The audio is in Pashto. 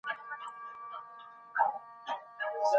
د فراغت په پایلیکونو کي باید دقت وسي.